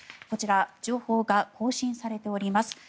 こちら情報が更新されております。